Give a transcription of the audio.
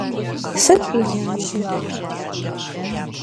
Sıt vui lajer?